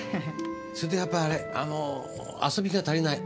それとやっぱりあれ遊びが足りない。